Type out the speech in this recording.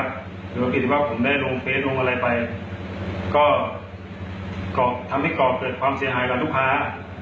ก็ใช้ความเสียหายของทุกพ้า